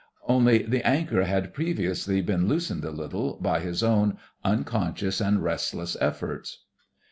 Only the anchor had previously been loosened a little by his own unconscious and restless efforts....